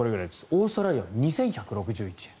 オーストラリアは２１６１円。